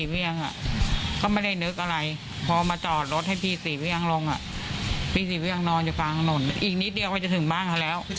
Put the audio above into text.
เพียงค่ะก็ไม่ได้นึกอะไรพอมาจอดรถแธป็ิซีเวียงลงอ่ะเป็นสิเวียงนอนอย่ากันหล่งอีกนิดเดียวกับได้ถึงบ้านแล้วแล้ว